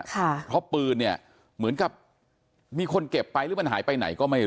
เพราะปืนเนี่ยเหมือนกับมีคนเก็บไปหรือมันหายไปไหนก็ไม่รู้